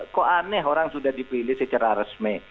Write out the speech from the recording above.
kok aneh orang sudah dipilih secara resmi